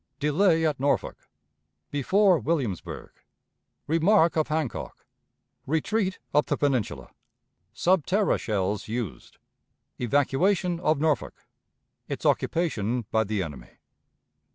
Delay at Norfolk. Before Williamsburg. Remark of Hancock. Retreat up the Peninsula. Sub terra Shells used. Evacuation of Norfolk. Its Occupation by the Enemy.